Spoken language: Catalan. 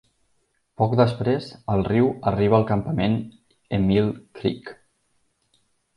Poc després el riu arriba al campament Emile Creek.